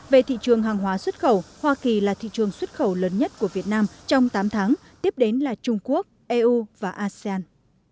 về thị trường hàng hóa xuất khẩu hoa kỳ là thị trường xuất khẩu lớn nhất của việt nam trong tám tháng tiếp đến là trung quốc eu và asean